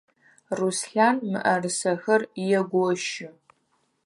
Руслъан мыӏэрысэхэр егощы.